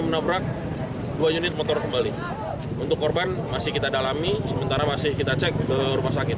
menabrak dua unit motor kembali untuk korban masih kita dalami sementara masih kita cek ke rumah sakit